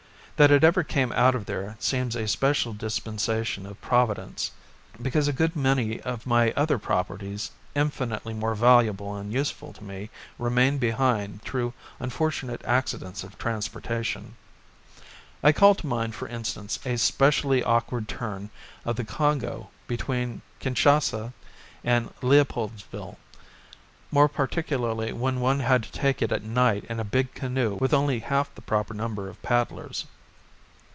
That it ever came out of there seems a special dispensation of Providence; because a good many of my other properties, infinitely more valuable and useful to me, remained behind through unfortunate accidents of transportation. I call to mind, for instance, a specially awkward turn of the Congo between Kinchassa and Leopoldsville more particularly when one had to take it at night in a big canoe with only half the proper number of paddlers.